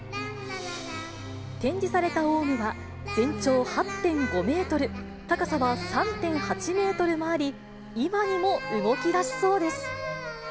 展示された王蟲は全長８．５メートル、高さは３．８メートルもあり、今にも動きだしそうです。